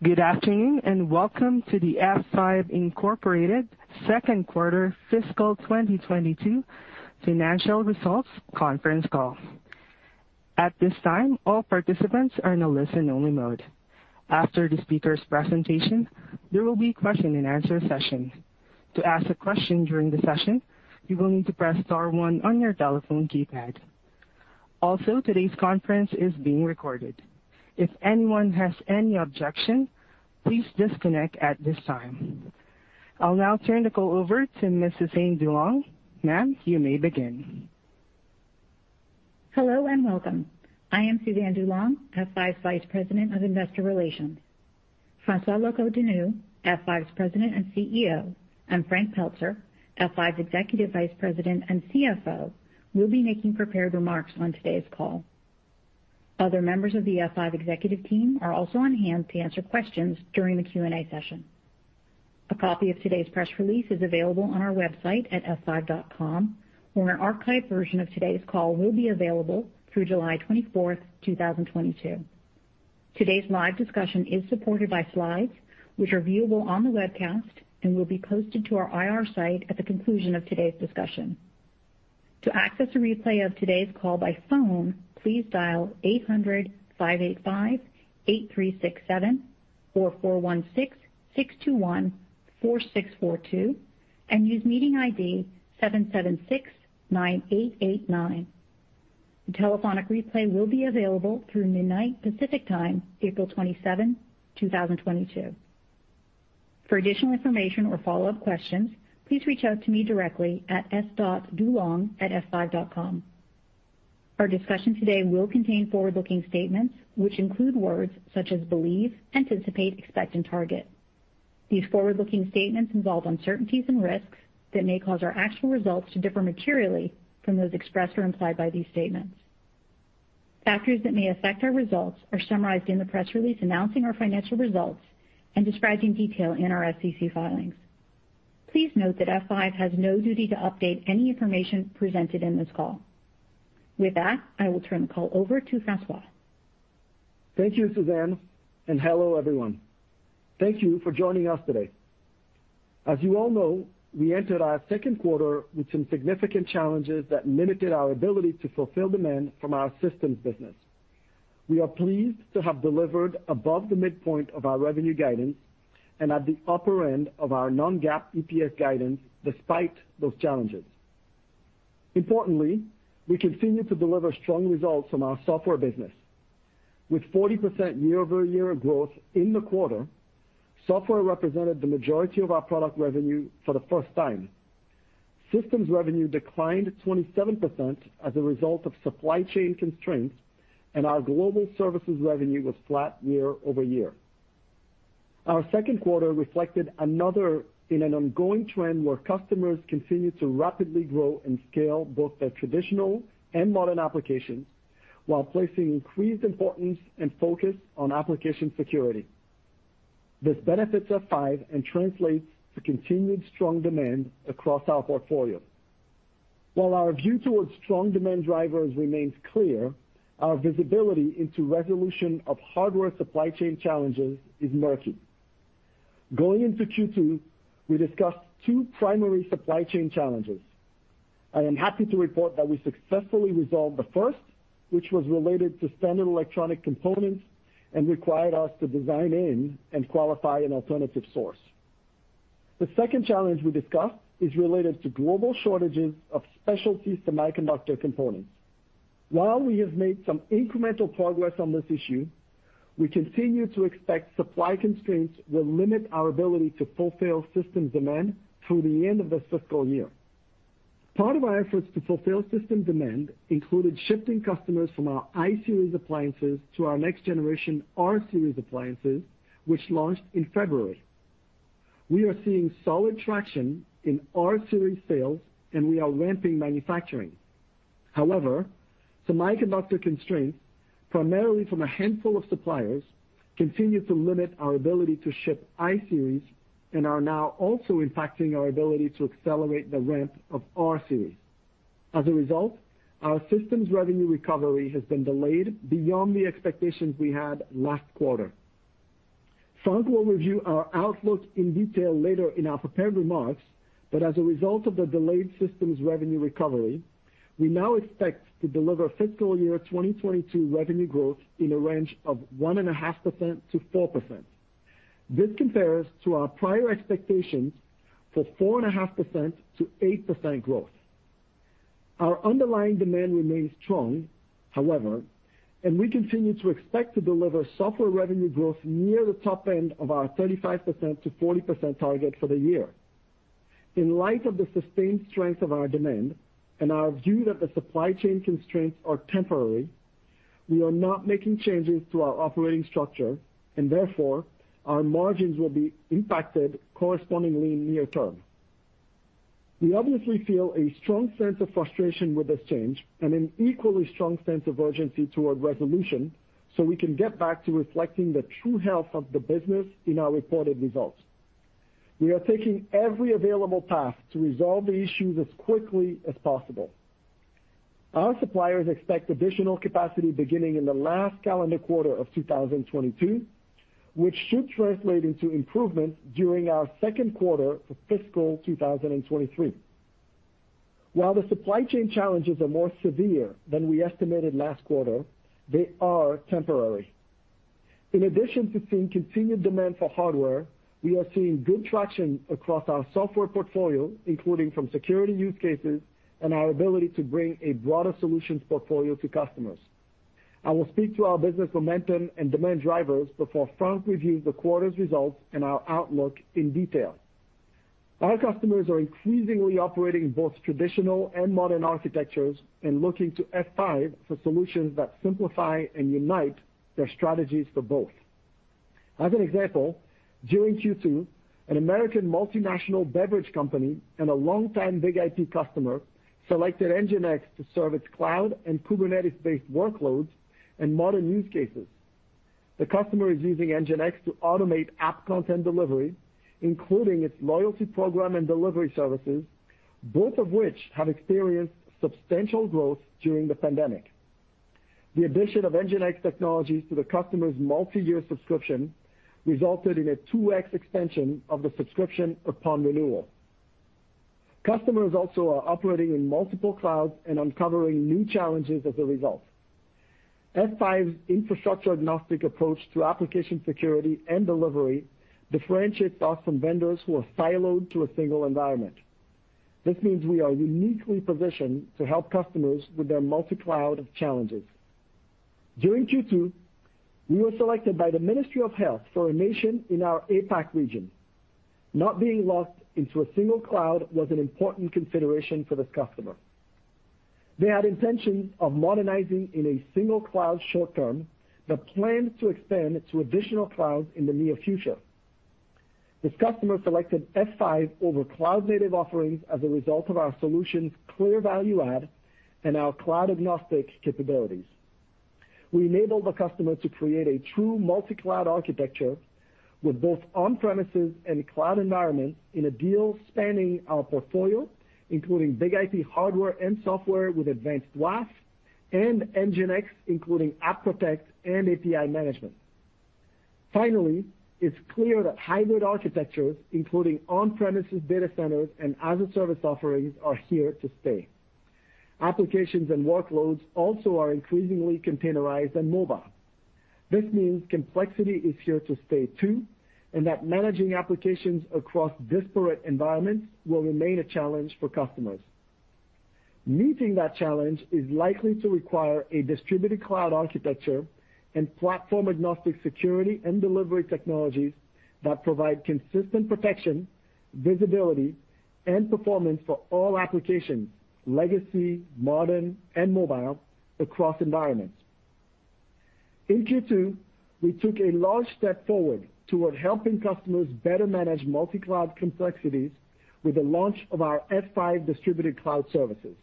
Good afternoon, and welcome to the F5, Inc. second quarter fiscal 2022 financial results conference call. At this time, all participants are in a listen-only mode. After the speaker's presentation, there will be a question and answer session. To ask a question during the session, you will need to press star one on your telephone keypad. Also, today's conference is being recorded. If anyone has any objection, please disconnect at this time. I'll now turn the call over to Ms. Suzanne DuLong. Ma'am, you may begin. Hello and welcome. I am Suzanne DuLong, F5's Vice President of Investor Relations. François Locoh-Donou, F5's President and CEO, and Frank Pelzer, F5's Executive Vice President and CFO, will be making prepared remarks on today's call. Other members of the F5 executive team are also on hand to answer questions during the Q&A session. A copy of today's press release is available on our website at f5.com, where an archived version of today's call will be available through July 24, 2022. Today's live discussion is supported by slides which are viewable on the webcast and will be posted to our IR site at the conclusion of today's discussion. To access a replay of today's call by phone, please dial 800-585-8367-441-6621-4642 and use meeting ID 7769889. The telephonic replay will be available through midnight Pacific Time, April 27, 2022. For additional information or follow-up questions, please reach out to me directly at s.dulong@f5.com. Our discussion today will contain forward-looking statements, which include words such as believe, anticipate, expect and target. These forward-looking statements involve uncertainties and risks that may cause our actual results to differ materially from those expressed or implied by these statements. Factors that may affect our results are summarized in the press release announcing our financial results and described in detail in our SEC filings. Please note that F5 has no duty to update any information presented in this call. With that, I will turn the call over to François Locoh-Donou. Thank you, Suzanne, and hello everyone. Thank you for joining us today. As you all know, we entered our second quarter with some significant challenges that limited our ability to fulfill demand from our systems business. We are pleased to have delivered above the midpoint of our revenue guidance and at the upper end of our non-GAAP EPS guidance despite those challenges. Importantly, we continue to deliver strong results from our software business. With 40% year-over-year growth in the quarter, software represented the majority of our product revenue for the first time. Systems revenue declined 27% as a result of supply chain constraints, and our global services revenue was flat year-over-year. Our second quarter reflected another in an ongoing trend where customers continued to rapidly grow and scale both their traditional and modern applications while placing increased importance and focus on application security. This benefits F5 and translates to continued strong demand across our portfolio. While our view towards strong demand drivers remains clear, our visibility into resolution of hardware supply chain challenges is murky. Going into Q2, we discussed two primary supply chain challenges. I am happy to report that we successfully resolved the first, which was related to standard electronic components and required us to design in and qualify an alternative source. The second challenge we discussed is related to global shortages of specialty semiconductor components. While we have made some incremental progress on this issue, we continue to expect supply constraints will limit our ability to fulfill systems demand through the end of this fiscal year. Part of our efforts to fulfill system demand included shifting customers from our iSeries appliances to our next-generation rSeries appliances, which launched in February. We are seeing solid traction in rSeries sales, and we are ramping manufacturing. However, semiconductor constraints, primarily from a handful of suppliers, continue to limit our ability to ship iSeries and are now also impacting our ability to accelerate the ramp of rSeries. As a result, our systems revenue recovery has been delayed beyond the expectations we had last quarter. Frank will review our outlook in detail later in our prepared remarks, but as a result of the delayed systems revenue recovery, we now expect to deliver fiscal year 2022 revenue growth in a range of 1.5%-4%. This compares to our prior expectations for 4.5%-8% growth. Our underlying demand remains strong, however, and we continue to expect to deliver software revenue growth near the top end of our 35%-40% target for the year. In light of the sustained strength of our demand and our view that the supply chain constraints are temporary, we are not making changes to our operating structure, and therefore, our margins will be impacted correspondingly near term. We obviously feel a strong sense of frustration with this change and an equally strong sense of urgency toward resolution so we can get back to reflecting the true health of the business in our reported results. We are taking every available path to resolve the issues as quickly as possible. Our suppliers expect additional capacity beginning in the last calendar quarter of 2022, which should translate into improvements during our second quarter for fiscal 2023. While the supply chain challenges are more severe than we estimated last quarter, they are temporary. In addition to seeing continued demand for hardware, we are seeing good traction across our software portfolio, including from security use cases and our ability to bring a broader solutions portfolio to customers. I will speak to our business momentum and demand drivers before Frank reviews the quarter's results and our outlook in detail. Our customers are increasingly operating both traditional and modern architectures and looking to F5 for solutions that simplify and unite their strategies for both. As an example, during Q2, an American multinational beverage company and a longtime BIG-IP customer selected NGINX to serve its cloud and Kubernetes-based workloads and modern use cases. The customer is using NGINX to automate app content delivery, including its loyalty program and delivery services, both of which have experienced substantial growth during the pandemic. The addition of NGINX technologies to the customer's multi-year subscription resulted in a 2x extension of the subscription upon renewal. Customers also are operating in multiple clouds and uncovering new challenges as a result. F5's infrastructure-agnostic approach to application security and delivery differentiates us from vendors who are siloed to a single environment. This means we are uniquely positioned to help customers with their multi-cloud challenges. During Q2, we were selected by the Ministry of Health for a nation in our APAC region. Not being locked into a single cloud was an important consideration for this customer. They had intentions of modernizing in a single cloud short term, but plans to expand to additional clouds in the near future. This customer selected F5 over cloud-native offerings as a result of our solution's clear value add and our cloud-agnostic capabilities. We enabled the customer to create a true multi-cloud architecture with both on-premises and cloud environments in a deal spanning our portfolio, including BIG-IP hardware and software with advanced WAF and NGINX, including App Protect and API management. Finally, it's clear that hybrid architectures, including on-premises data centers and as-a-service offerings, are here to stay. Applications and workloads also are increasingly containerized and mobile. This means complexity is here to stay too, and that managing applications across disparate environments will remain a challenge for customers. Meeting that challenge is likely to require a distributed cloud architecture and platform-agnostic security and delivery technologies that provide consistent protection, visibility, and performance for all applications, legacy, modern, and mobile across environments. In Q2, we took a large step forward toward helping customers better manage multi-cloud complexities with the launch of our F5 Distributed Cloud Services.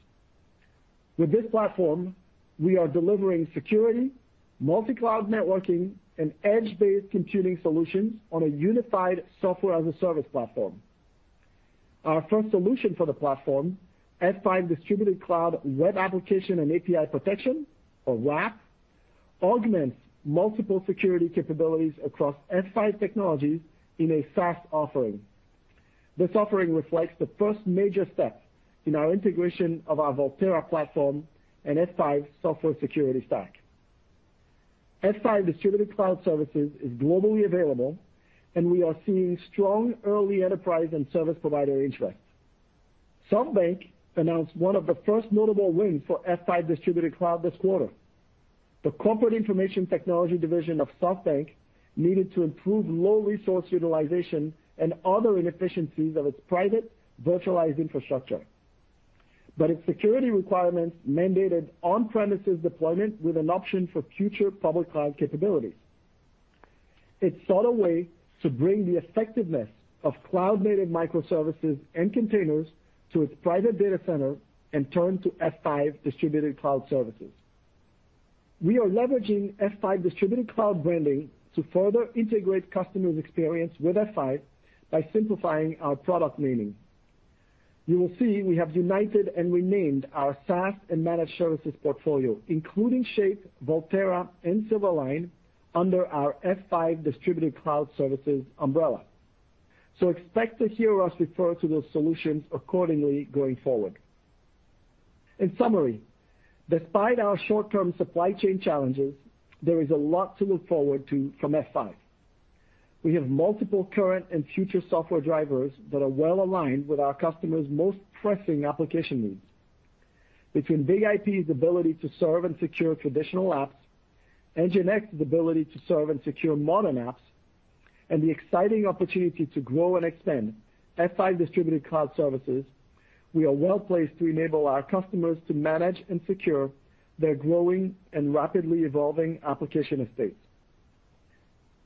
With this platform, we are delivering security, multi-cloud networking, and edge-based computing solutions on a unified software-as-a-service platform. Our first solution for the platform, F5 Distributed Cloud Web Application and API Protection, or WAAP, augments multiple security capabilities across F5 technologies in a SaaS offering. This offering reflects the first major step in our integration of our Volterra platform and F5 software security stack. F5 Distributed Cloud Services is globally available, and we are seeing strong early enterprise and service provider interest. SoftBank announced one of the first notable wins for F5 Distributed Cloud this quarter. The corporate information technology division of SoftBank needed to improve low resource utilization and other inefficiencies of its private virtualized infrastructure. Its security requirements mandated on-premises deployment with an option for future public cloud capabilities. It sought a way to bring the effectiveness of cloud-native microservices and containers to its private data center and turned to F5 Distributed Cloud Services. We are leveraging F5 Distributed Cloud branding to further integrate customers' experience with F5 by simplifying our product naming. You will see we have united and renamed our SaaS and managed services portfolio, including Shape, Volterra, and Silverline, under our F5 Distributed Cloud Services umbrella. Expect to hear us refer to those solutions accordingly going forward. In summary, despite our short-term supply chain challenges, there is a lot to look forward to from F5. We have multiple current and future software drivers that are well aligned with our customers' most pressing application needs. Between BIG-IP's ability to serve and secure traditional apps, NGINX's ability to serve and secure modern apps, and the exciting opportunity to grow and extend F5 Distributed Cloud Services, we are well-placed to enable our customers to manage and secure their growing and rapidly evolving application estates.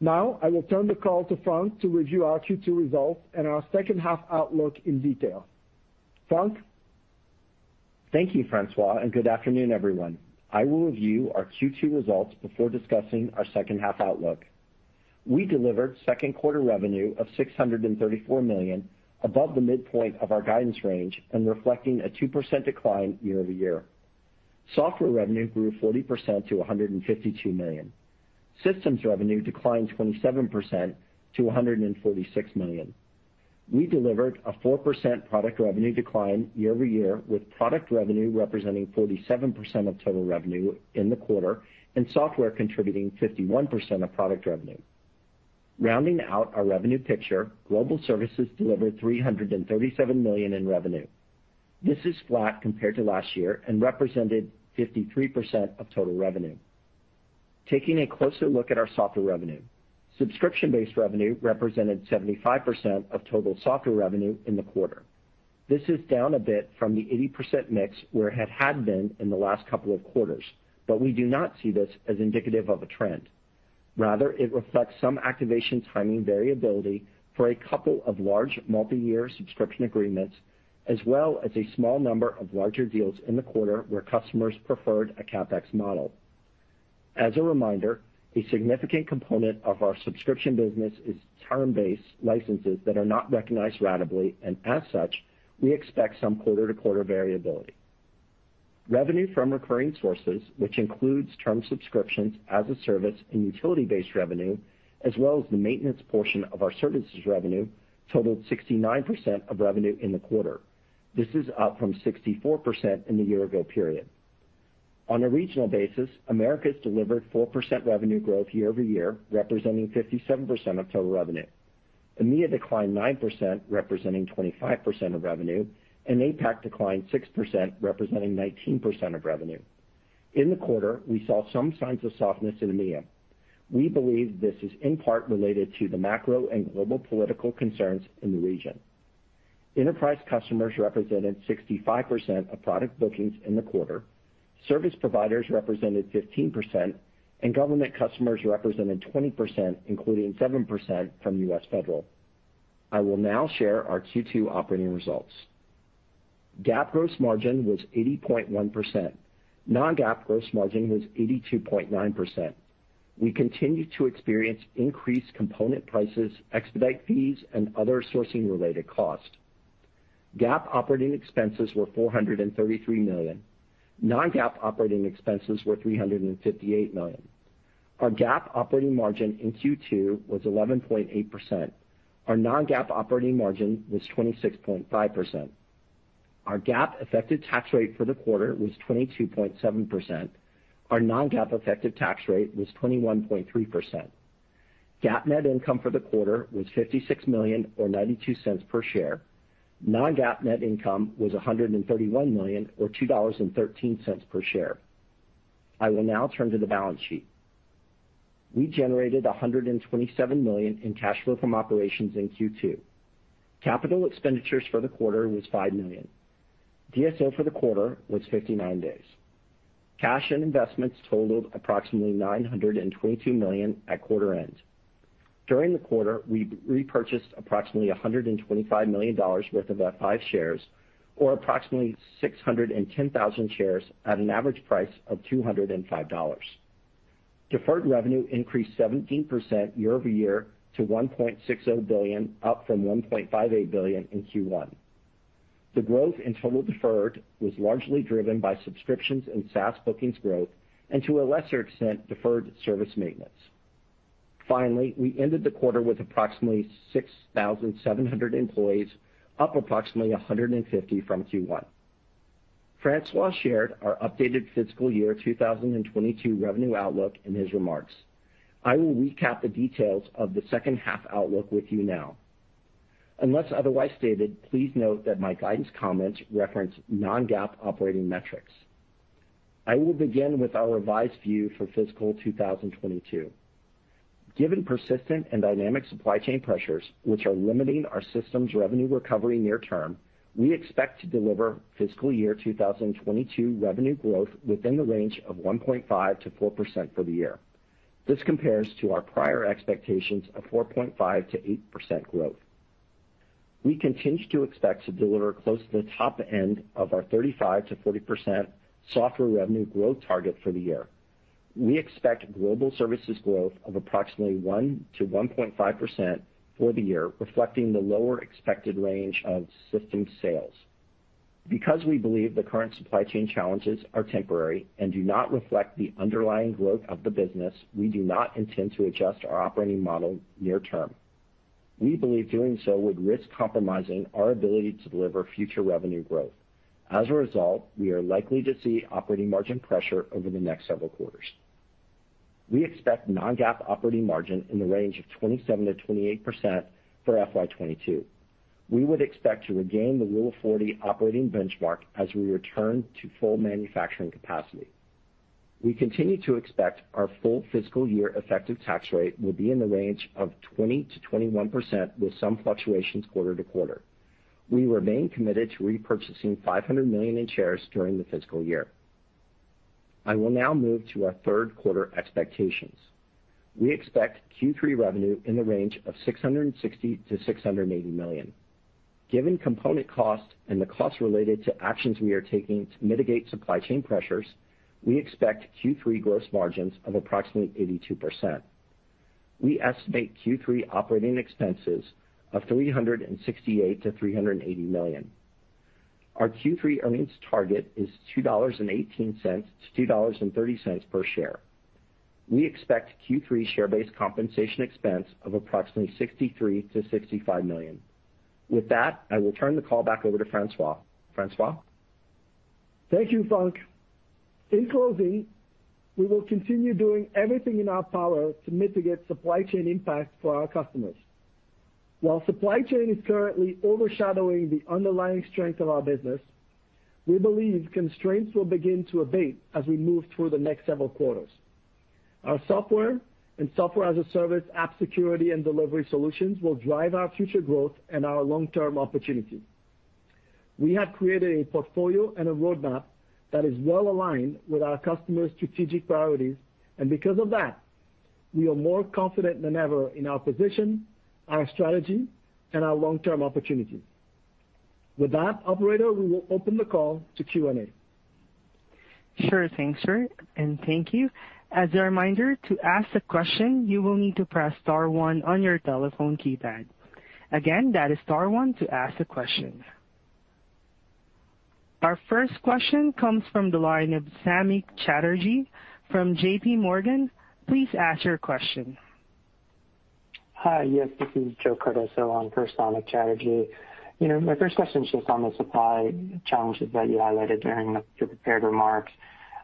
Now, I will turn the call to Frank to review our Q2 results and our second half outlook in detail. Frank? Thank you, François, and good afternoon, everyone. I will review our Q2 results before discussing our second half outlook. We delivered second quarter revenue of $634 million above the midpoint of our guidance range and reflecting a 2% decline year-over-year. Software revenue grew 40% to $152 million. Systems revenue declined 27% to $146 million. We delivered a 4% product revenue decline year-over-year, with product revenue representing 47% of total revenue in the quarter and software contributing 51% of product revenue. Rounding out our revenue picture, global services delivered $337 million in revenue. This is flat compared to last year and represented 53% of total revenue. Taking a closer look at our software revenue, subscription-based revenue represented 75% of total software revenue in the quarter. This is down a bit from the 80% mix where it had been in the last couple of quarters, but we do not see this as indicative of a trend. Rather, it reflects some activation timing variability for a couple of large multi-year subscription agreements, as well as a small number of larger deals in the quarter where customers preferred a CapEx model. As a reminder, a significant component of our subscription business is term-based licenses that are not recognized ratably, and as such, we expect some quarter-to-quarter variability. Revenue from recurring sources, which includes term subscriptions as a service and utility-based revenue, as well as the maintenance portion of our services revenue, totaled 69% of revenue in the quarter. This is up from 64% in the year ago period. On a regional basis, Americas delivered 4% revenue growth year-over-year, representing 57% of total revenue. EMEA declined 9%, representing 25% of revenue, and APAC declined 6%, representing 19% of revenue. In the quarter, we saw some signs of softness in EMEA. We believe this is in part related to the macro and global political concerns in the region. Enterprise customers represented 65% of product bookings in the quarter, service providers represented 15%, and government customers represented 20%, including 7% from U.S. Federal. I will now share our Q2 operating results. GAAP gross margin was 80.1%. Non-GAAP gross margin was 82.9%. We continued to experience increased component prices, expedite fees, and other sourcing-related costs. GAAP operating expenses were $433 million. Non-GAAP operating expenses were $358 million. Our GAAP operating margin in Q2 was 11.8%. Our non-GAAP operating margin was 26.5%. Our GAAP effective tax rate for the quarter was 22.7%. Our non-GAAP effective tax rate was 21.3%. GAAP net income for the quarter was $56 million or $0.92 per share. Non-GAAP net income was $131 million or $2.13 per share. I will now turn to the balance sheet. We generated $127 million in cash flow from operations in Q2. Capital expenditures for the quarter was $5 million. DSO for the quarter was 59 days. Cash and investments totaled approximately $922 million at quarter end. During the quarter, we repurchased approximately $125 million worth of F5 shares or approximately 610,000 shares at an average price of $205. Deferred revenue increased 17% year-over-year to $1.60 billion, up from $1.58 billion in Q1. The growth in total deferred was largely driven by subscriptions and SaaS bookings growth and to a lesser extent, deferred service maintenance. Finally, we ended the quarter with approximately 6,700 employees, up approximately 150 from Q1. François shared our updated fiscal year 2022 revenue outlook in his remarks. I will recap the details of the second half outlook with you now. Unless otherwise stated, please note that my guidance comments reference non-GAAP operating metrics. I will begin with our revised view for fiscal 2022. Given persistent and dynamic supply chain pressures, which are limiting our systems revenue recovery near term, we expect to deliver fiscal year 2022 revenue growth within the range of 1.5%-4% for the year. This compares to our prior expectations of 4.5%-8% growth. We continue to expect to deliver close to the top end of our 35%-40% software revenue growth target for the year. We expect global services growth of approximately 1%-1.5% for the year, reflecting the lower expected range of systems sales. Because we believe the current supply chain challenges are temporary and do not reflect the underlying growth of the business, we do not intend to adjust our operating model near term. We believe doing so would risk compromising our ability to deliver future revenue growth. As a result, we are likely to see operating margin pressure over the next several quarters. We expect non-GAAP operating margin in the range of 27%-28% for FY 2022. We would expect to regain the Rule of 40 operating benchmark as we return to full manufacturing capacity. We continue to expect our full fiscal year effective tax rate will be in the range of 20%-21% with some fluctuations quarter to quarter. We remain committed to repurchasing $500 million in shares during the fiscal year. I will now move to our third quarter expectations. We expect Q3 revenue in the range of $660 million-$680 million. Given component costs and the costs related to actions we are taking to mitigate supply chain pressures, we expect Q3 gross margins of approximately 82%. We estimate Q3 operating expenses of $368 million-$380 million. Our Q3 earnings target is $2.18-$2.30 per share. We expect Q3 share-based compensation expense of approximately $63 million-$65 million. With that, I will turn the call back over to François. François? Thank you, Frank. In closing, we will continue doing everything in our power to mitigate supply chain impact for our customers. While supply chain is currently overshadowing the underlying strength of our business, we believe constraints will begin to abate as we move through the next several quarters. Our software and software-as-a-service app security and delivery solutions will drive our future growth and our long-term opportunities. We have created a portfolio and a roadmap that is well aligned with our customers' strategic priorities, and because of that, we are more confident than ever in our position, our strategy, and our long-term opportunities. With that, operator, we will open the call to Q&A. Sure thing, sir, and thank you. As a reminder, to ask a question, you will need to press star one on your telephone keypad. Again, that is star one to ask a question. Our first question comes from the line of Samik Chatterjee from JPMorgan. Please ask your question. Hi, yes, this is Joe Cardoso on for Samik Chatterjee. You know, my first question is just on the supply challenges that you highlighted during the prepared remarks.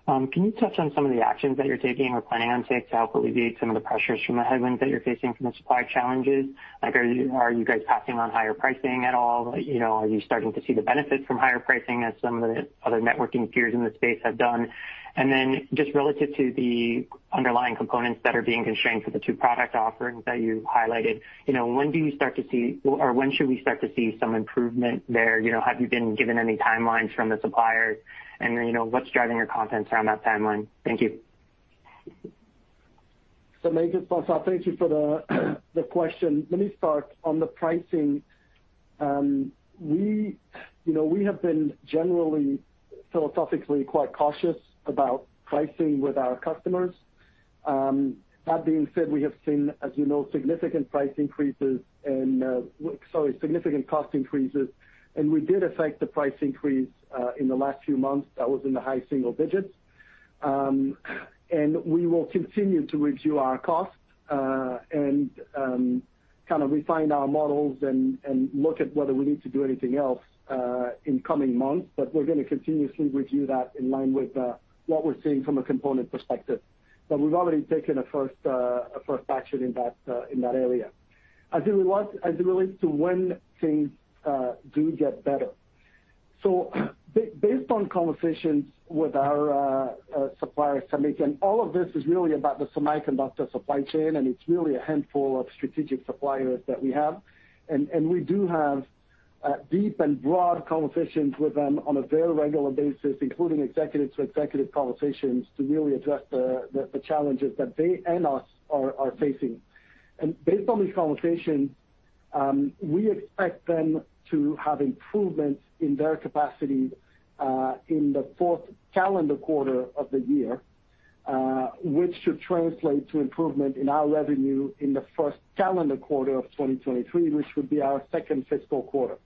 Can you touch on some of the actions that you're taking or planning on taking to help alleviate some of the pressures from the headwinds that you're facing from the supply challenges? Like, are you guys passing on higher pricing at all? You know, are you starting to see the benefits from higher pricing as some of the other networking peers in the space have done? Then just relative to the underlying components that are being constrained for the two product offerings that you highlighted, you know, when do you start to see or when should we start to see some improvement there? You know, have you been given any timelines from the suppliers? You know, what's driving your confidence around that timeline? Thank you. Maybe it's François Locoh-Donou. Thank you for the question. Let me start on the pricing. You know, we have been generally philosophically quite cautious about pricing with our customers. That being said, we have seen, as you know, significant cost increases. We did effect the price increase in the last few months. That was in the high single digits. We will continue to review our costs and kind of refine our models and look at whether we need to do anything else in coming months. We're gonna continuously review that in line with what we're seeing from a component perspective. We've already taken a first action in that area. As it relates to when things do get better. Based on conversations with our suppliers, Samik, all of this is really about the semiconductor supply chain, and it's really a handful of strategic suppliers that we have. We do have deep and broad conversations with them on a very regular basis, including executive to executive conversations to really address the challenges that they and us are facing. Based on these conversations, we expect them to have improvements in their capacity in the fourth calendar quarter of the year, which should translate to improvement in our revenue in the first calendar quarter of 2023, which would be our second fiscal quarter.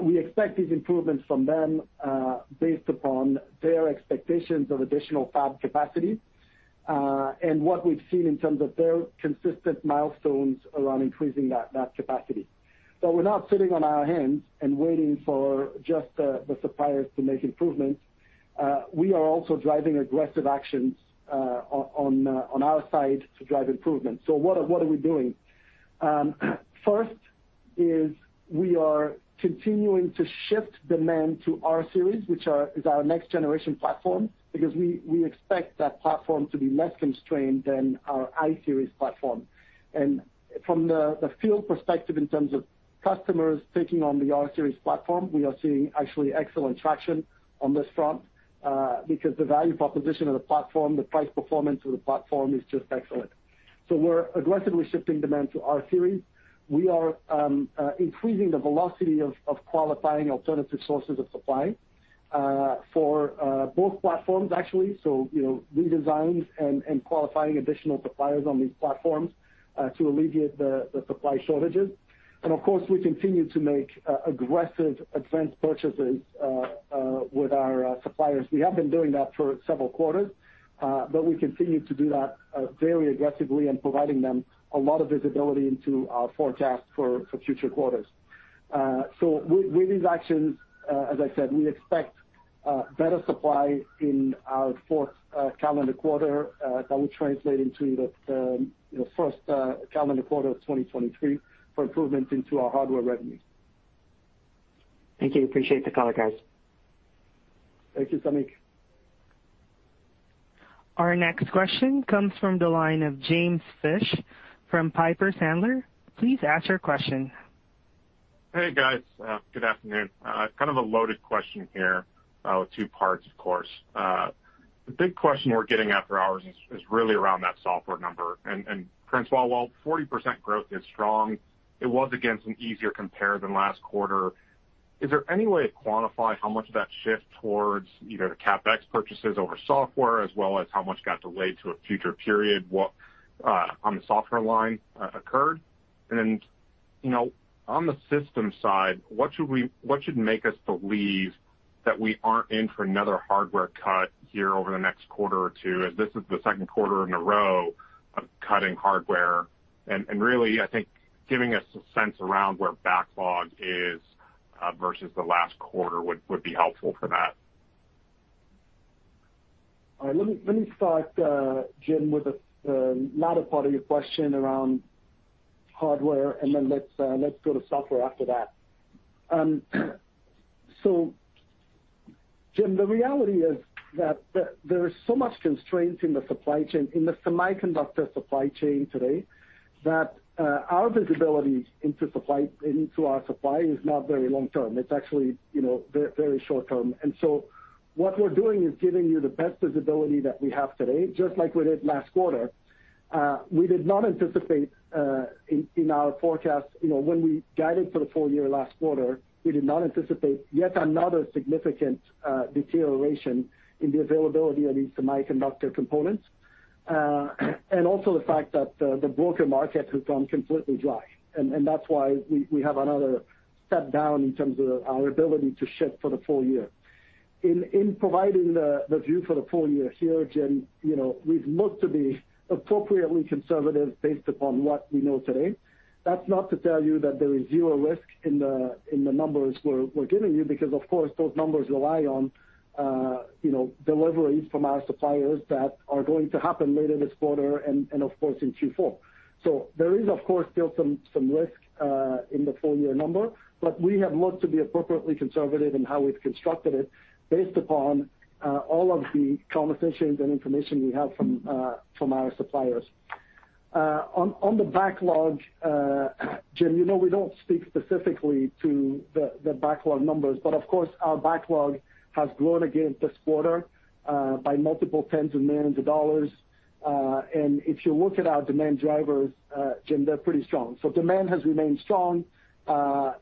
We expect these improvements from them based upon their expectations of additional fab capacity and what we've seen in terms of their consistent milestones around increasing that capacity. We're not sitting on our hands and waiting for just the suppliers to make improvements. We are also driving aggressive actions on our side to drive improvement. What are we doing? First, we are continuing to shift demand to rSeries, which is our next generation platform, because we expect that platform to be less constrained than our iSeries platform. From the field perspective in terms of customers taking on the rSeries platform, we are seeing actually excellent traction on this front because the value proposition of the platform, the price performance of the platform is just excellent. We're aggressively shifting demand to rSeries. We are increasing the velocity of qualifying alternative sources of supply for both platforms actually. You know, redesigns and qualifying additional suppliers on these platforms to alleviate the supply shortages. Of course, we continue to make aggressive advanced purchases with our suppliers. We have been doing that for several quarters, but we continue to do that very aggressively and providing them a lot of visibility into our forecast for future quarters. With these actions, as I said, we expect better supply in our fourth calendar quarter that will translate into the, you know, first calendar quarter of 2023 for improvements into our hardware revenue. Thank you. Appreciate the color, guys. Thank you, Samik. Our next question comes from the line of James Fish from Piper Sandler. Please ask your question. Hey, guys. Good afternoon. Kind of a loaded question here, with two parts, of course. The big question we're getting after hours is really around that software number. François, while 40% growth is strong, it was again some easier compare than last quarter. Is there any way to quantify how much of that shift towards either the CapEx purchases over software as well as how much got delayed to a future period, what on the software line occurred? You know, on the system side, what should make us believe that we aren't in for another hardware cut here over the next quarter or two, as this is the second quarter in a row of cutting hardware. Really, I think giving us a sense around where backlog is versus the last quarter would be helpful for that. All right. Let me start, Jim, with the latter part of your question around hardware, and then let's go to software after that. So Jim, the reality is that there is so much constraint in the supply chain, in the semiconductor supply chain today that our visibility into our supply is not very long term. It's actually, you know, very short term. What we're doing is giving you the best visibility that we have today, just like we did last quarter. We did not anticipate in our forecast. You know, when we guided for the full year last quarter, we did not anticipate yet another significant deterioration in the availability of these semiconductor components, and also the fact that the broker market has gone completely dry. That's why we have another step down in terms of our ability to ship for the full year. In providing the view for the full year here, Jim, you know, we've looked to be appropriately conservative based upon what we know today. That's not to tell you that there is zero risk in the numbers we're giving you, because of course, those numbers rely on, you know, deliveries from our suppliers that are going to happen later this quarter and of course in Q4. There is, of course, still some risk in the full year number, but we have looked to be appropriately conservative in how we've constructed it based upon all of the conversations and information we have from our suppliers. On the backlog, Jim, you know, we don't speak specifically to the backlog numbers, but of course, our backlog has grown again this quarter by multiple tens of millions of dollars. If you look at our demand drivers, Jim, they're pretty strong. Demand has remained strong.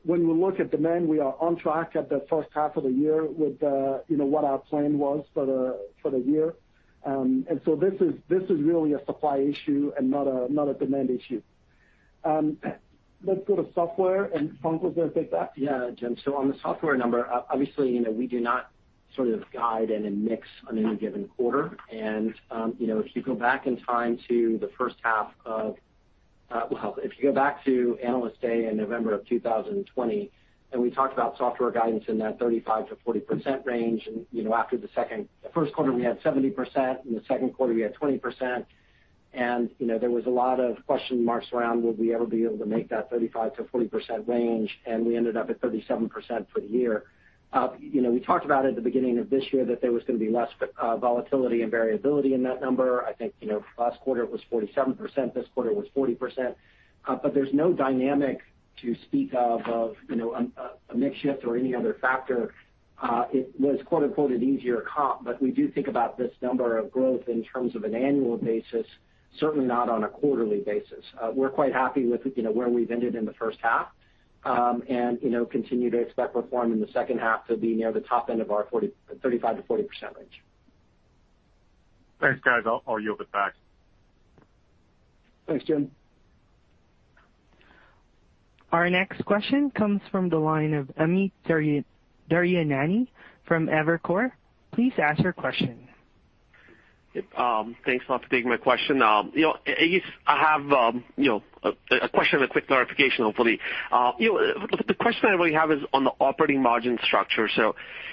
When we look at demand, we are on track at the first half of the year with, you know, what our plan was for the year. This is really a supply issue and not a demand issue. Let's go to software, and Frank's gonna take that. Yeah, Jim. On the software number, obviously, you know, we do not sort of guide in a mix on any given quarter. You know, if you go back to Analyst Day in November of 2020, and we talked about software guidance in that 35%-40% range. You know, after the first quarter, we had 70%, in the second quarter, we had 20%. You know, there was a lot of question marks around, will we ever be able to make that 35%-40% range? And we ended up at 37% for the year. You know, we talked about at the beginning of this year that there was gonna be less volatility and variability in that number. I think, you know, last quarter it was 47%, this quarter it was 40%. There's no dynamic to speak of, you know, a mix shift or any other factor. It was quote-unquote, "an easier comp," but we do think about this number of growth in terms of an annual basis, certainly not on a quarterly basis. We're quite happy with, you know, where we've ended in the first half, and, you know, continue to expect perform in the second half to be near the top end of our 35%-40% range. Thanks, guys. I'll yield it back. Thanks, Jim. Our next question comes from the line of Amit Daryanani from Evercore. Please ask your question. Thanks a lot for taking my question. You know, Ace, I have a question, a quick clarification, hopefully. You know, the question I really have is on the operating margin structure.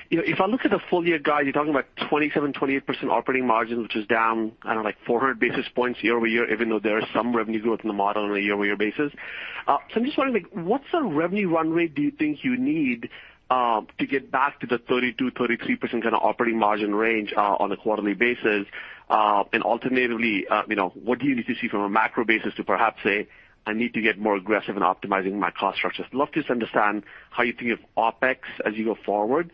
You know, if I look at the full year guide, you're talking about 27%-28% operating margin, which is down, I don't know, like 400 basis points year-over-year, even though there is some revenue growth in the model on a year-over-year basis. I'm just wondering, like, what's the revenue run rate do you think you need to get back to the 32%-33% kinda operating margin range on a quarterly basis? Alternatively, you know, what do you need to see from a macro basis to perhaps say, "I need to get more aggressive in optimizing my cost structures"? I'd love to just understand how you think of OpEx as you go forward.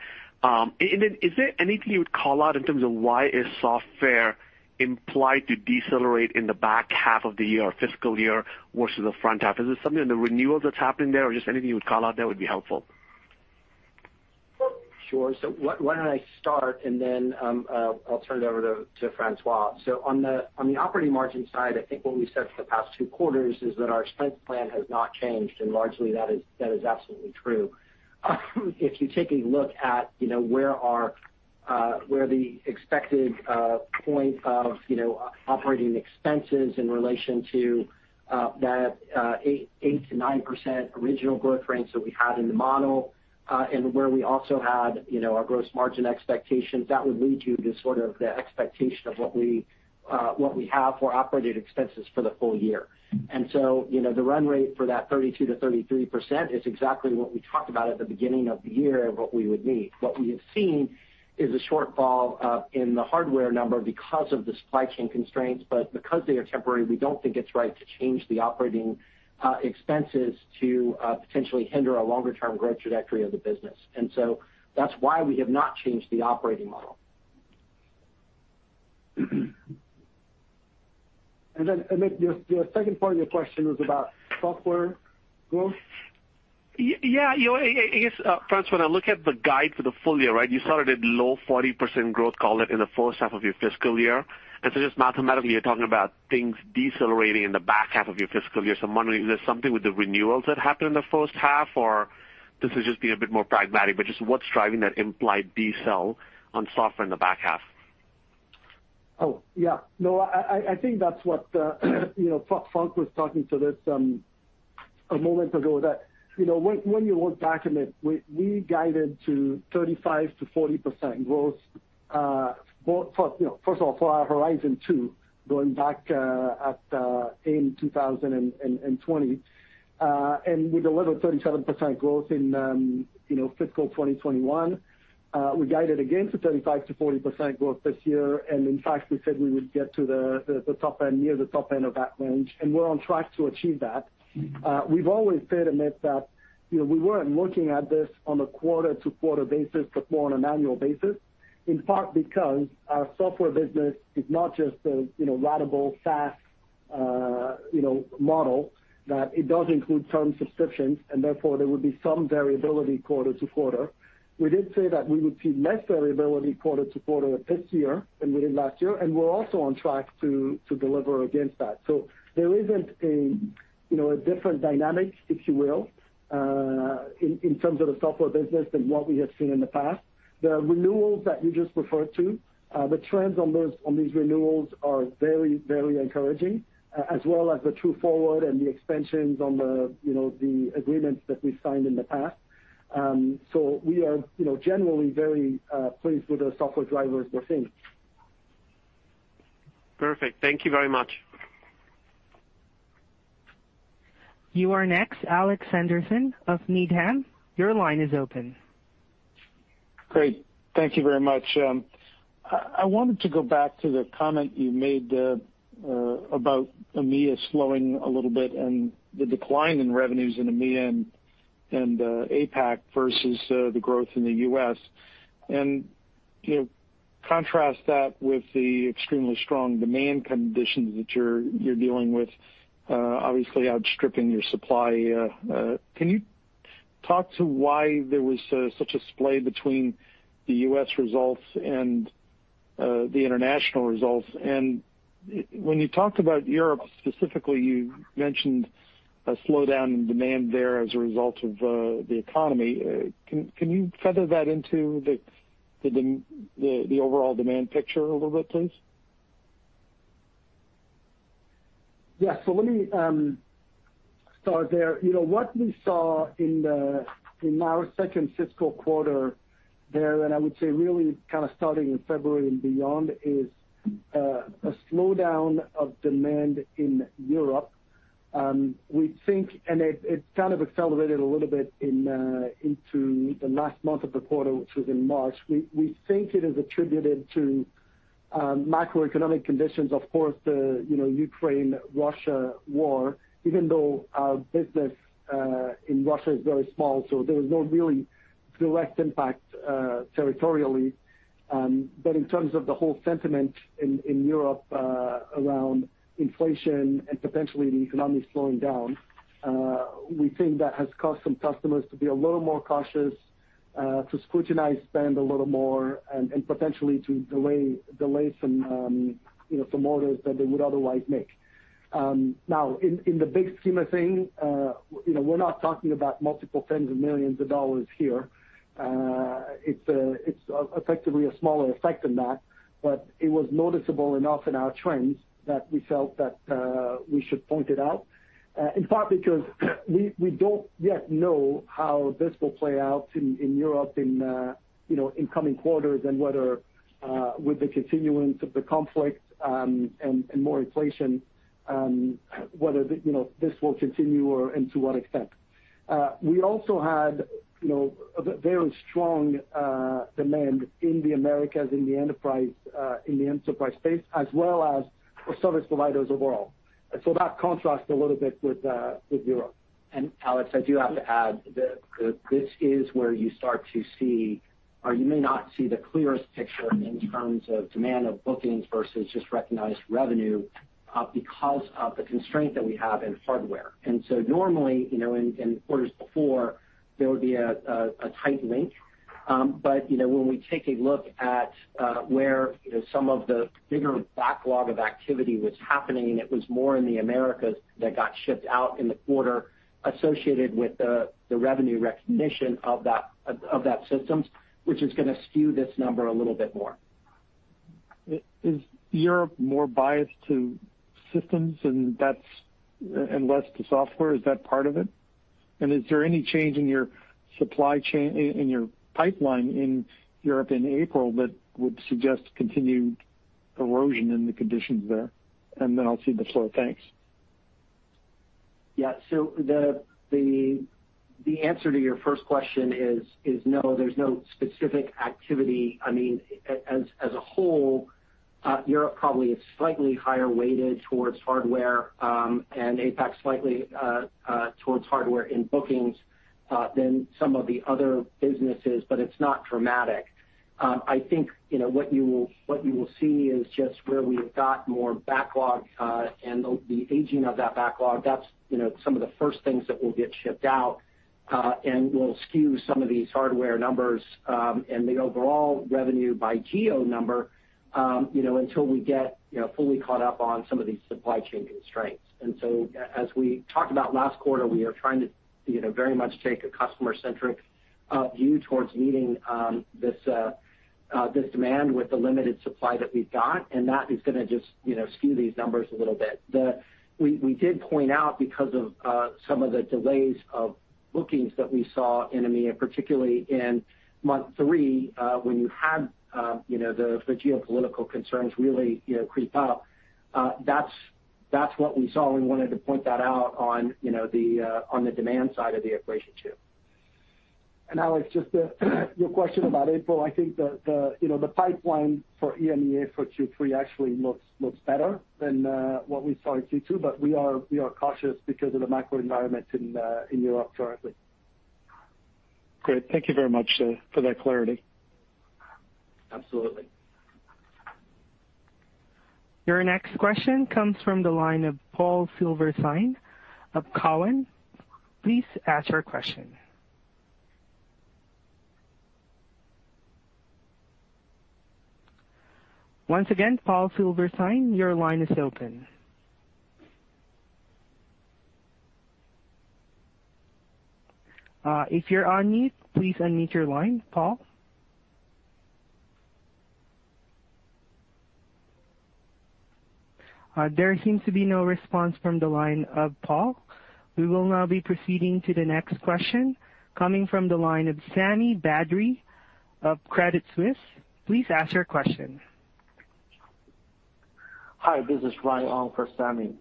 Is there anything you would call out in terms of why is software implied to decelerate in the back half of the year or fiscal year versus the front half? Is there something in the renewals that's happening there, or just anything you would call out there would be helpful? Sure. Why don't I start and then I'll turn it over to François? On the operating margin side, I think what we said for the past two quarters is that our spend plan has not changed, and largely that is absolutely true. If you take a look at, you know, where the expected point of, you know, operating expenses in relation to that 8%-9% original growth rates that we had in the model, and where we also had, you know, our gross margin expectations, that would lead you to sort of the expectation of what we have for operating expenses for the full year. You know, the run rate for that 32%-33% is exactly what we talked about at the beginning of the year and what we would need. What we have seen is a shortfall in the hardware number because of the supply chain constraints, but because they are temporary, we don't think it's right to change the operating expenses to potentially hinder a longer term growth trajectory of the business. That's why we have not changed the operating model. Amit, your second part of your question was about software growth? Yeah. You know, I guess, François, when I look at the guide for the full year, right? You started at low 40% growth call it in the first half of your fiscal year. Just mathematically, you're talking about things decelerating in the back half of your fiscal year. I'm wondering, is there something with the renewals that happened in the first half or this is just being a bit more pragmatic, but just what's driving that implied decel on software in the back half? Oh, yeah. No, I think that's what you know, Frank was talking about this a moment ago, that you know, when you look back, Amit, we guided to 35%-40% growth for you know, first of all, for our Horizon 2 going back to 2020. We delivered 37% growth in you know, fiscal 2021. We guided again for 35%-40% growth this year, and in fact, we said we would get to the top end, near the top end of that range, and we're on track to achieve that. We've always said, Amit, that, you know, we weren't looking at this on a quarter-to-quarter basis, but more on an annual basis, in part because our software business is not just a, you know, ratable SaaS, you know, model, that it does include term subscriptions, and therefore, there would be some variability quarter to quarter. We did say that we would see less variability quarter to quarter this year than we did last year, and we're also on track to deliver against that. There isn't a, you know, a different dynamic, if you will, in terms of the software business than what we have seen in the past. The renewals that you just referred to, the trends on those, on these renewals are very, very encouraging, as well as the true forward and the expansions on the, you know, the agreements that we've signed in the past. We are, you know, generally very pleased with the software drivers we're seeing. Perfect. Thank you very much. You are next, Alex Henderson of Needham. Your line is open. Great. Thank you very much. I wanted to go back to the comment you made about EMEA slowing a little bit and the decline in revenues in EMEA and APAC versus the growth in the U.S. You know, contrast that with the extremely strong demand conditions that you're dealing with, obviously outstripping your supply. Can you talk to why there was such a splay between the U.S. results and the international results? When you talked about Europe specifically, you mentioned a slowdown in demand there as a result of the economy. Can you factor that into the overall demand picture a little bit, please? Yeah. Let me start there. You know, what we saw in our second fiscal quarter there, and I would say really kind of starting in February and beyond, is a slowdown of demand in Europe. We think it kind of accelerated a little bit into the last month of the quarter, which was in March. We think it is attributed to macroeconomic conditions, of course, the, you know, Ukraine-Russia war, even though our business in Russia is very small, so there was no really direct impact territorially. In terms of the whole sentiment in Europe around inflation and potentially the economy slowing down, we think that has caused some customers to be a little more cautious, to scrutinize spend a little more, and potentially to delay some, you know, some orders that they would otherwise make. Now in the big scheme of things, you know, we're not talking about multiple tens of millions of dollars here. It's effectively a smaller effect than that, but it was noticeable enough in our trends that we felt that we should point it out, in part because we don't yet know how this will play out in Europe, you know, in coming quarters and whether with the continuance of the conflict and more inflation, whether you know, this will continue or and to what extent. We also had, you know, a very strong demand in the Americas, in the enterprise space, as well as for service providers overall. So that contrasts a little bit with Europe. Alex, I do have to add the this is where you start to see, or you may not see the clearest picture in terms of demand of bookings versus just recognized revenue, because of the constraint that we have in hardware. Normally, you know, in quarters before, there would be a tight link. You know, when we take a look at where, you know, some of the bigger backlog of activity was happening, it was more in the Americas that got shipped out in the quarter associated with the revenue recognition of that systems, which is gonna skew this number a little bit more. Is Europe more biased to systems and that's and less to software? Is that part of it? Is there any change in your supply chain in your pipeline in Europe in April that would suggest continued erosion in the conditions there? I'll cede the floor. Thanks. Yeah. The answer to your first question is no, there's no specific activity. I mean, as a whole, Europe probably is slightly higher weighted towards hardware, and APAC slightly towards hardware in bookings, than some of the other businesses, but it's not dramatic. I think, you know, what you will see is just where we have got more backlog, and the aging of that backlog. That's, you know, some of the first things that will get shipped out, and will skew some of these hardware numbers, and the overall revenue by geo number, you know, until we get, you know, fully caught up on some of these supply chain constraints. As we talked about last quarter, we are trying to, you know, very much take a customer-centric view towards meeting this demand with the limited supply that we've got, and that is gonna just, you know, skew these numbers a little bit. We did point out because of some of the delays of bookings that we saw in EMEA, particularly in month three, when you had you know the geopolitical concerns really you know creep up, that's what we saw, and we wanted to point that out on you know the demand side of the equation too. Alex, just your question about April. I think the you know the pipeline for EMEA for Q3 actually looks better than what we saw in Q2, but we are cautious because of the macro environment in Europe currently. Great. Thank you very much for that clarity. Absolutely. Your next question comes from the line of Paul Silverstein of Cowen. Please ask your question. Once again, Paul Silverstein, your line is open. If you're on mute, please unmute your line, Paul. There seems to be no response from the line of Paul. We will now be proceeding to the next question coming from the line of Sami Badri of Credit Suisse. Please ask your question. Hi, this is Ryan on for Sami.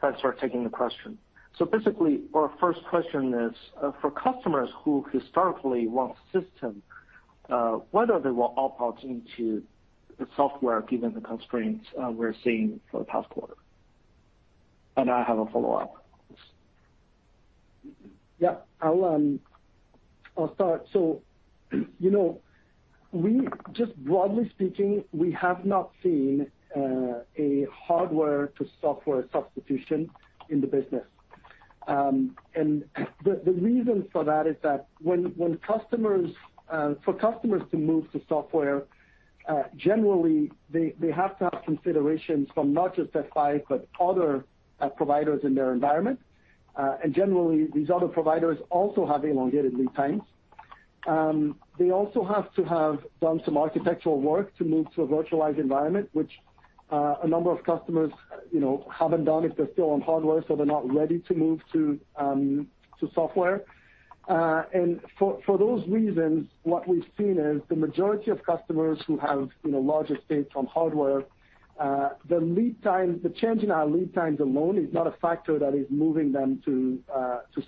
Thanks for taking the question. Basically, our first question is, for customers who historically want systems, whether they will opt into the software given the constraints we're seeing for the past quarter. I have a follow-up. Yeah, I'll start. You know, we just broadly speaking have not seen a hardware to software substitution in the business. The reason for that is that for customers to move to software, generally they have to have considerations from not just F5, but other providers in their environment. Generally, these other providers also have elongated lead times. They also have to have done some architectural work to move to a virtualized environment, which a number of customers you know haven't done if they're still on hardware, so they're not ready to move to software. For those reasons, what we've seen is the majority of customers who have, you know, large estates on hardware, the lead time, the change in our lead times alone is not a factor that is moving them to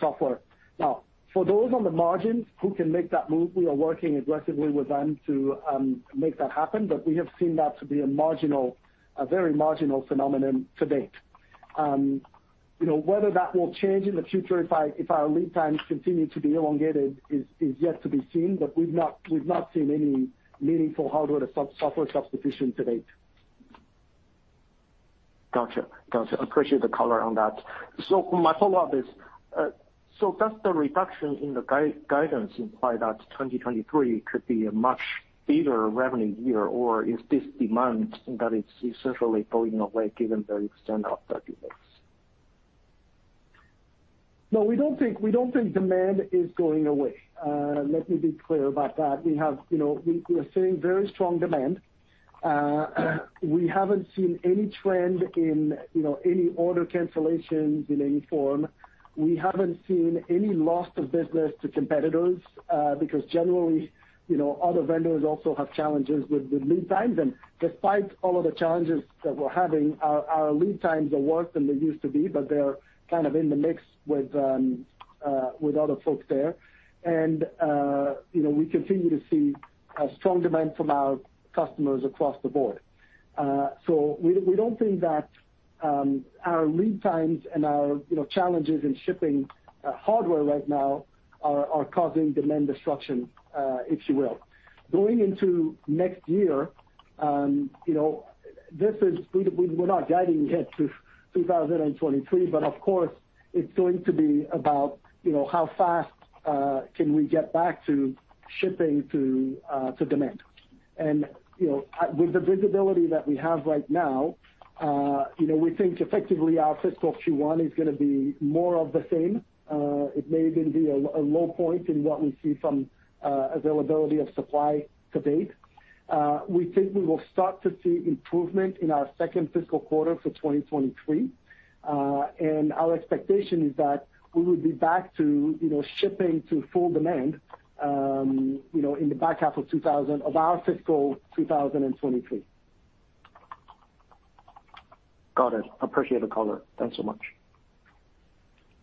software. Now, for those on the margins who can make that move, we are working aggressively with them to make that happen, but we have seen that to be a very marginal phenomenon to date. You know, whether that will change in the future if our lead times continue to be elongated is yet to be seen, but we've not seen any meaningful hardware to software substitution to date. Gotcha. Appreciate the color on that. My follow-up is, does the reduction in the Q4 guidance imply that 2023 could be a much bigger revenue year, or is this demand that it's essentially going away given the extent of 30 days? No, we don't think demand is going away. Let me be clear about that. We have, you know, we are seeing very strong demand. We haven't seen any trend in, you know, any order cancellations in any form. We haven't seen any loss of business to competitors, because generally, you know, other vendors also have challenges with lead times. Despite all of the challenges that we're having, our lead times are worse than they used to be, but they're kind of in the mix with other folks there. You know, we continue to see a strong demand from our customers across the board. We don't think that our lead times and our, you know, challenges in shipping hardware right now are causing demand destruction, if you will. Going into next year, you know, we're not guiding yet to 2023, but of course, it's going to be about, you know, how fast can we get back to shipping to demand. With the visibility that we have right now, you know, we think effectively our fiscal Q1 is gonna be more of the same. It may even be a low point in what we see from availability of supply to date. We think we will start to see improvement in our second fiscal quarter for 2023. Our expectation is that we will be back to, you know, shipping to full demand, you know, in the back half of our fiscal 2023. Got it. Appreciate the color. Thanks so much.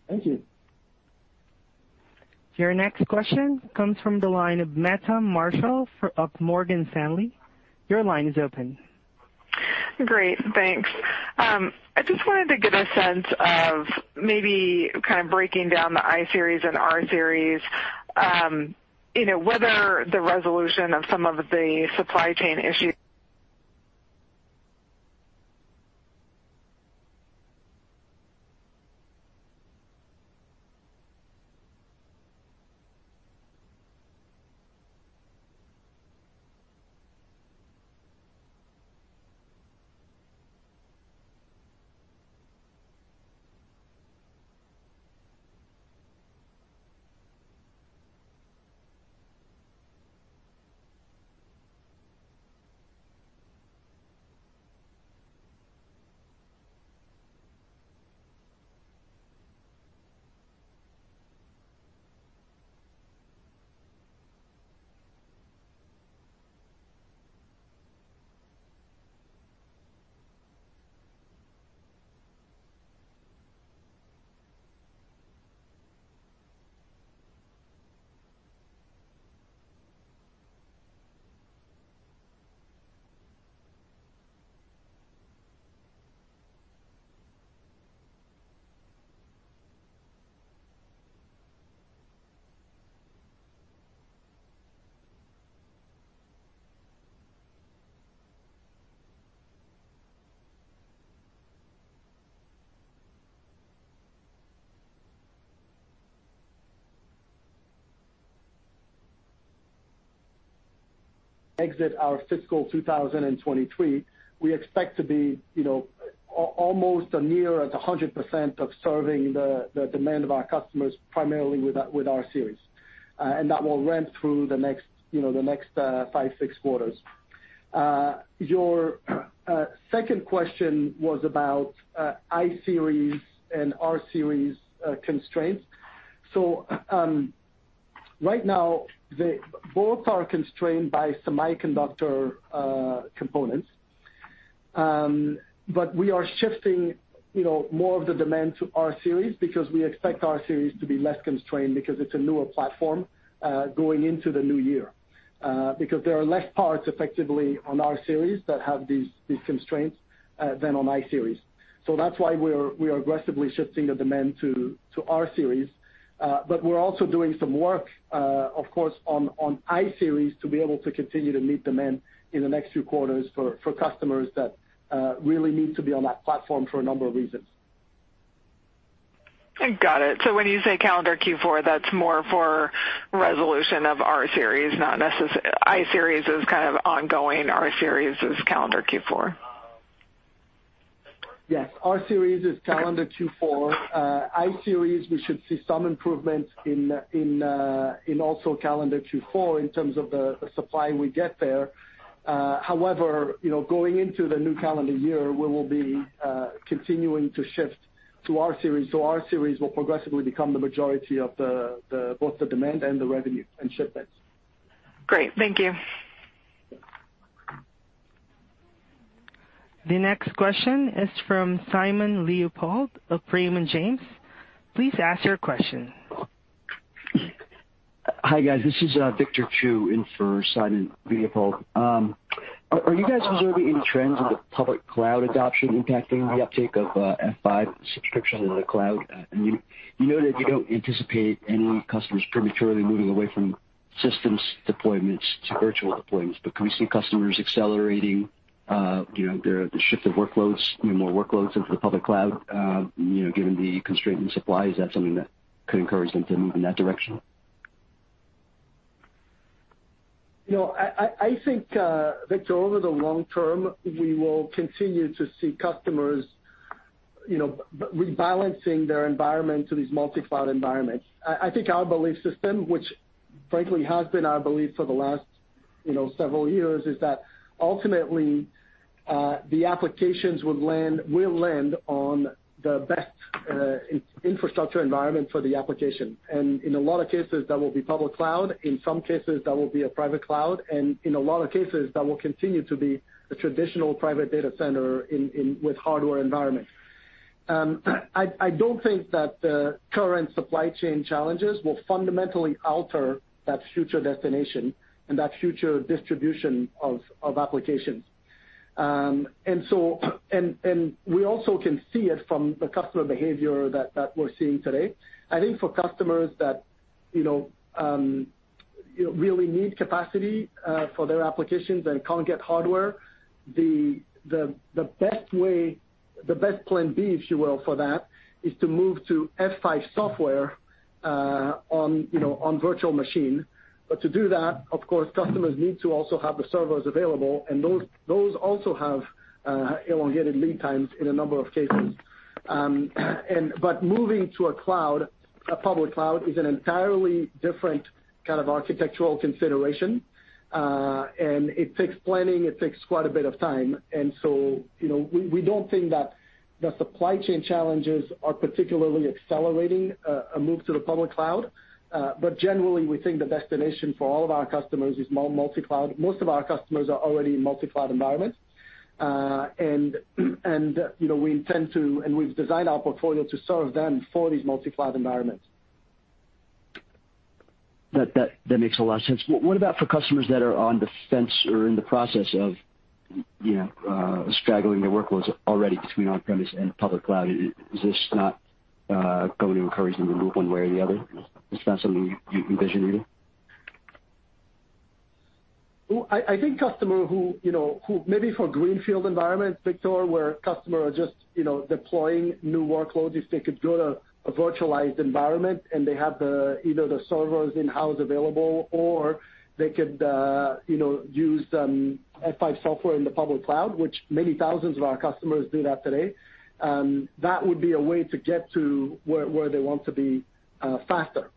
Thank you. Your next question comes from the line of Meta Marshall of Morgan Stanley. Your line is open. Great, thanks. I just wanted to get a sense of maybe kind of breaking down the iSeries and rSeries, you know, whether the resolution of some of the supply chain issues. exit of our fiscal 2023, we expect to be almost at 100% of serving the demand of our customers primarily with rSeries. That will ramp through the next five, six quarters. Your second question was about iSeries and rSeries constraints. Right now they both are constrained by semiconductor components. We are shifting more of the demand to rSeries because we expect rSeries to be less constrained because it's a newer platform going into the new year. There are less parts effectively on rSeries that have these constraints than on iSeries. That's why we are aggressively shifting the demand to rSeries. We're also doing some work, of course, on iSeries to be able to continue to meet demand in the next few quarters for customers that really need to be on that platform for a number of reasons. Got it. When you say calendar Q4, that's more for resolution of rSeries, iSeries is kind of ongoing, rSeries is calendar Q4. Yes, rSeries is calendar Q4. iSeries, we should see some improvements in also calendar Q4 in terms of the supply we get there. However, you know, going into the new calendar year, we will be continuing to shift to rSeries. rSeries will progressively become the majority of both the demand and the revenue and shipments. Great. Thank you. The next question is from Simon Leopold of Raymond James. Please ask your question. Hi, guys. This is Victor Chiu in for Simon Leopold. Are you guys observing any trends of the public cloud adoption impacting the uptake of F5 subscription in the cloud? You know, that you don't anticipate any customers prematurely moving away from systems deployments to virtual deployments, but can we see customers accelerating you know, the shift of workloads, more workloads into the public cloud, given the constraint in supply? Is that something that could encourage them to move in that direction? You know, I think, Victor, over the long term, we will continue to see customers, you know, rebalancing their environment to these multi-cloud environments. I think our belief system, which frankly has been our belief for the last, you know, several years, is that ultimately, the applications will land on the best, infrastructure environment for the application. In a lot of cases, that will be public cloud. In some cases, that will be a private cloud. In a lot of cases, that will continue to be a traditional private data center with hardware environments. I don't think that the current supply chain challenges will fundamentally alter that future destination and that future distribution of applications. We also can see it from the customer behavior that we're seeing today. I think for customers that, you know, really need capacity for their applications and can't get hardware, the best way, the best plan B, if you will, for that, is to move to F5 software on, you know, on virtual machine. To do that, of course, customers need to also have the servers available, and those also have elongated lead times in a number of cases. Moving to a cloud, a public cloud, is an entirely different kind of architectural consideration. It takes planning, it takes quite a bit of time. You know, we don't think that the supply chain challenges are particularly accelerating a move to the public cloud. Generally, we think the destination for all of our customers is multi-cloud. Most of our customers are already in multi-cloud environments. you know, we intend to, and we've designed our portfolio to serve them for these multi-cloud environments. That makes a lot of sense. What about for customers that are on the fence or in the process of, you know, straddling their workloads already between on-premise and public cloud? Is this not going to encourage them to move one way or the other? It's not something you envision either? Well, I think customers who, you know, maybe for greenfield environments, Victor, where customers are just, you know, deploying new workloads, if they could go to a virtualized environment and they have either the servers in-house available or they could you know use F5 software in the public cloud, which many thousands of our customers do that today, that would be a way to get to where they want to be faster.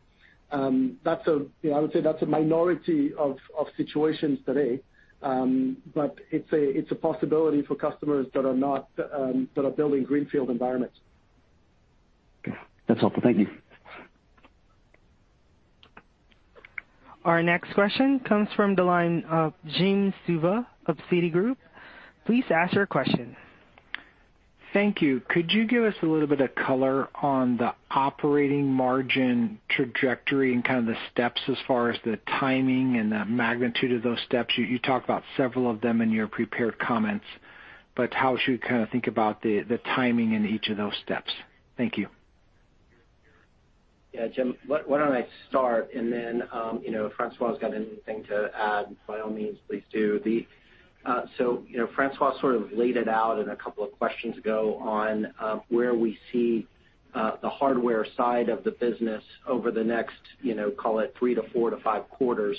You know, I would say that's a minority of situations today. It's a possibility for customers that are building greenfield environments. Okay. That's all. Thank you. Our next question comes from the line of Jim Suva of Citigroup. Please ask your question. Thank you. Could you give us a little bit of color on the operating margin trajectory and kind of the steps as far as the timing and the magnitude of those steps? You talked about several of them in your prepared comments, but how should we kinda think about the timing in each of those steps? Thank you. Yeah. Jim, why don't I start and then, you know, if François has got anything to add, by all means, please do. You know, François sort of laid it out in a couple of questions ago on where we see the hardware side of the business over the next, you know, call it three to four to five quarters.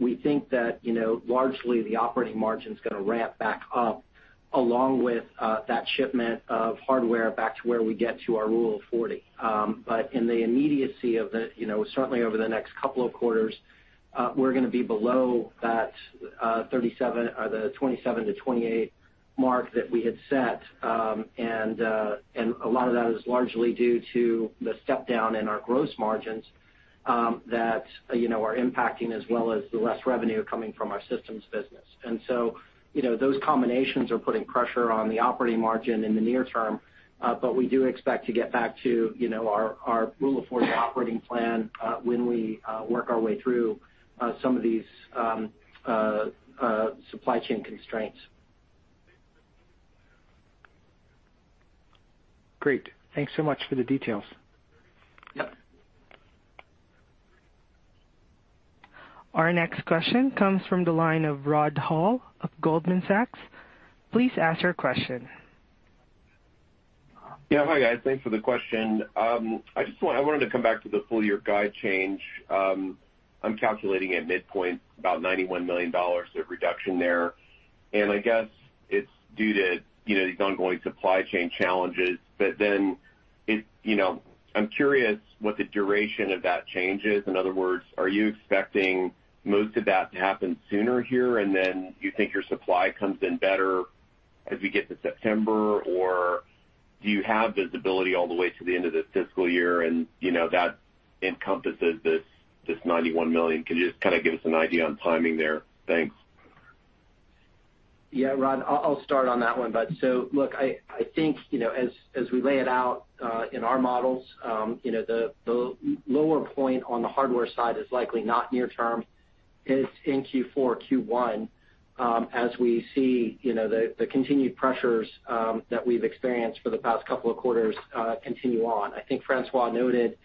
We think that, you know, largely the operating margin's gonna ramp back up along with that shipment of hardware back to where we get to our Rule of 40. In the immediacy of it, you know, certainly over the next couple of quarters, we're gonna be below that 37% or the 27%-28% mark that we had set. A lot of that is largely due to the step down in our gross margins that you know are impacting as well as the less revenue coming from our systems business. You know, those combinations are putting pressure on the operating margin in the near term, but we do expect to get back to you know our Rule of 40 operating plan when we work our way through some of these supply chain constraints. Great. Thanks so much for the details. Yeah. Our next question comes from the line of Rod Hall of Goldman Sachs. Please ask your question. Yeah. Hi, guys. Thanks for the question. I wanted to come back to the full year guide change. I'm calculating at midpoint about $91 million of reduction there, and I guess it's due to, you know, these ongoing supply chain challenges. You know, I'm curious what the duration of that change is. In other words, are you expecting most of that to happen sooner here, and then you think your supply comes in better as we get to September? Or do you have visibility all the way to the end of this fiscal year and, you know, that encompasses this $91 million? Can you just kinda give us an idea on timing there? Thanks. Yeah. Rod, I'll start on that one. Look, I think, you know, as we lay it out in our models, you know, the lower point on the hardware side is likely not near term. It's in Q4 or Q1, as we see, you know, the continued pressures that we've experienced for the past couple of quarters continue on. I think François noted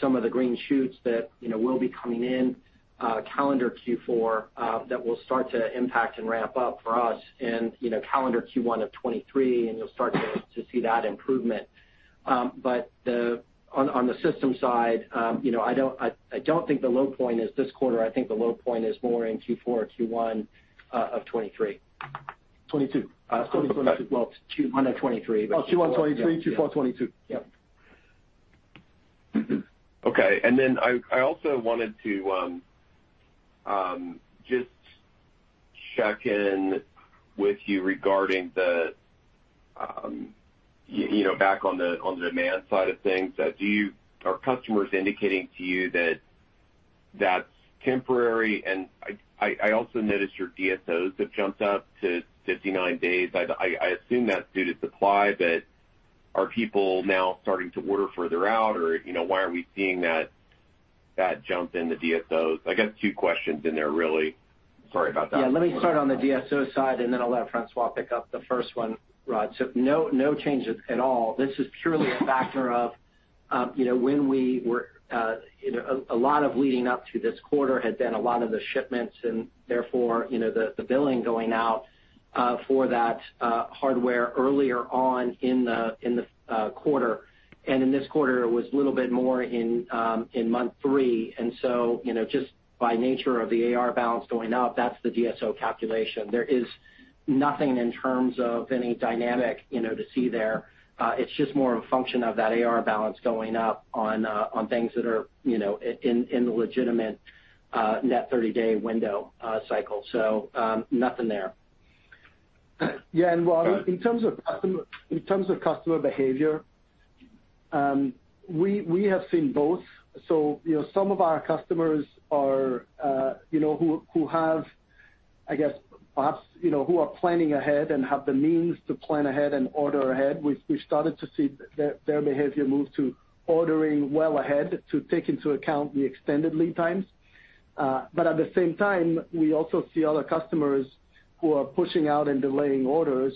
some of the green shoots that, you know, will be coming in calendar Q4 that will start to impact and ramp up for us in, you know, calendar Q1 of 2023, and you'll start to see that improvement. On the system side, you know, I don't think the low point is this quarter. I think the low point is more in Q4 or Q1 of 2023. 2022. 2022. Well, Q1 of 2023. Oh, Q1 2023, Q4 2022. Yeah. Okay. Then I also wanted to just check in with you regarding, you know, back on the demand side of things. Are customers indicating to you that that's temporary? I also noticed your DSOs have jumped up to 59 days. I assume that's due to supply, but are people now starting to order further out, or, you know, why are we seeing that jump in the DSOs? I guess two questions in there really. Sorry about that. Yeah. Let me start on the DSO side, and then I'll let François pick up the first one, Rod. No changes at all. This is purely a factor of, you know, when we were, you know, a lot of leading up to this quarter had been a lot of the shipments and therefore, you know, the billing going out for that hardware earlier on in the quarter. In this quarter, it was a little bit more in month three. You know, just by nature of the AR balance going up, that's the DSO calculation. There is nothing in terms of any dynamic, you know, to see there. It's just more a function of that AR balance going up on things that are, you know, in the legitimate net thirty-day window cycle. Nothing there. Yeah. Rod, in terms of customer behavior, we have seen both. You know, some of our customers who are planning ahead and have the means to plan ahead and order ahead, we started to see their behavior move to ordering well ahead to take into account the extended lead times. At the same time, we also see other customers who are pushing out and delaying orders,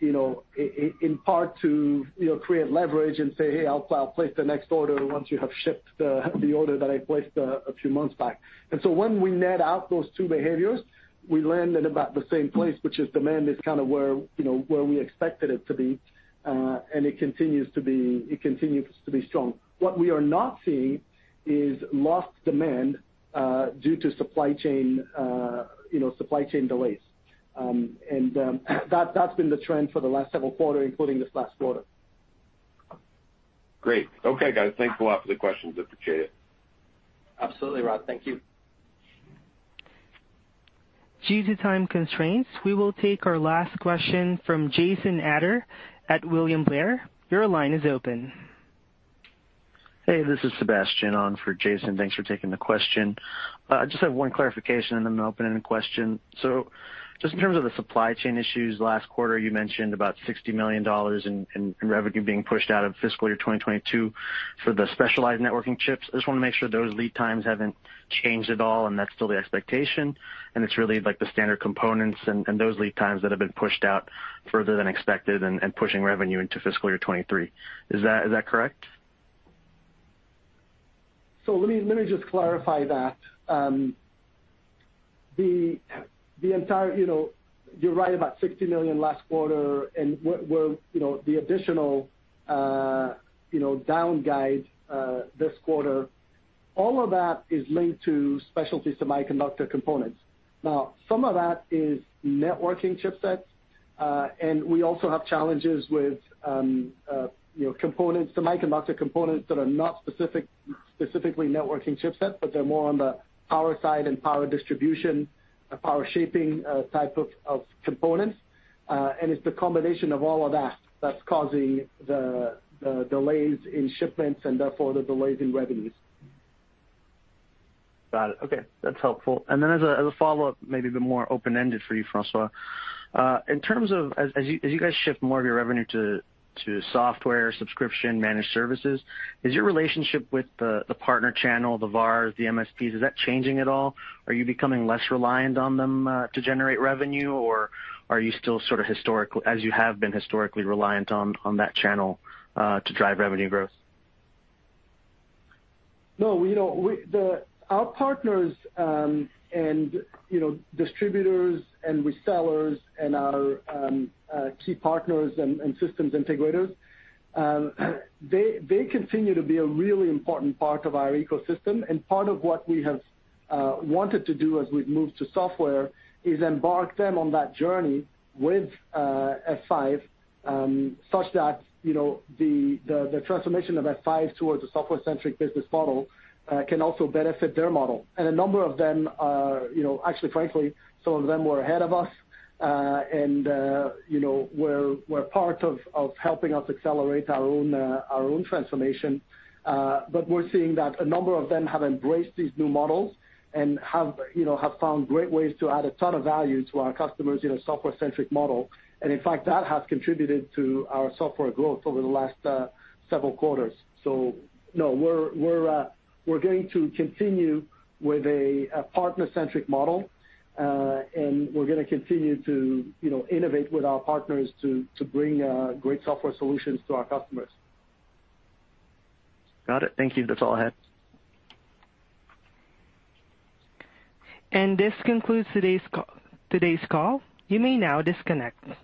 you know, in part to create leverage and say, "Hey, I'll place the next order once you have shipped the order that I placed a few months back." When we net out those two behaviors, we land in about the same place, which is demand is kind of where, you know, where we expected it to be, and it continues to be strong. What we are not seeing is lost demand due to supply chain delays. That's been the trend for the last several quarters, including this last quarter. Great. Okay, guys. Thanks a lot for the questions. Appreciate it. Absolutely, Rod. Thank you. Due to time constraints, we will take our last question from Jason Ader at William Blair. Your line is open. Hey, this is Sebastian on for Jason. Thanks for taking the question. I just have one clarification, and then an open-ended question. Just in terms of the supply chain issues, last quarter you mentioned about $60 million in revenue being pushed out of fiscal year 2022 for the specialized networking chips. I just wanna make sure those lead times haven't changed at all and that's still the expectation, and it's really, like, the standard components and those lead times that have been pushed out further than expected and pushing revenue into fiscal year 2023. Is that correct? Let me just clarify that. The entire you know, you're right about $60 million last quarter and where you know the additional down guide this quarter, all of that is linked to specialty semiconductor components. Now, some of that is networking chipsets and we also have challenges with you know components, semiconductor components that are not specific, specifically networking chipsets, but they're more on the power side and power distribution, power shaping type of components. It's the combination of all of that that's causing the delays in shipments and therefore the delays in revenues. Got it. Okay. That's helpful. As a follow-up, maybe a bit more open-ended for you, François. In terms of as you guys shift more of your revenue to software subscription managed services, is your relationship with the partner channel, the VARs, the MSPs, changing at all? Are you becoming less reliant on them to generate revenue, or are you still sort of as you have been historically reliant on that channel to drive revenue growth? No. You know, our partners, and, you know, distributors and resellers and our key partners and systems integrators, they continue to be a really important part of our ecosystem. Part of what we have wanted to do as we've moved to software is embark them on that journey with F5 such that, you know, the transformation of F5 towards a software-centric business model can also benefit their model. A number of them are, you know, actually frankly, some of them were ahead of us, and, you know, were part of helping us accelerate our own transformation. We're seeing that a number of them have embraced these new models and have, you know, found great ways to add a ton of value to our customers in a software-centric model. In fact, that has contributed to our software growth over the last several quarters. No, we're going to continue with a partner-centric model, and we're gonna continue to, you know, innovate with our partners to bring great software solutions to our customers. Got it. Thank you. That's all I had. This concludes today's call. You may now disconnect.